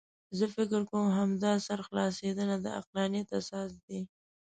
زه فکر کوم همدا سرخلاصېدنه د عقلانیت اساس دی.